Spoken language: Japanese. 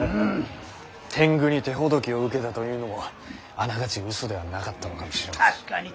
天狗に手ほどきを受けたというのもあながち嘘ではなかったのかもしれませんね。